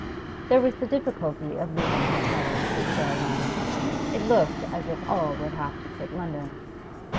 There was the difficulty of leaving his mother and sister alone. It looked as if all would have to quit London.